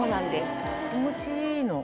気持ちいいの。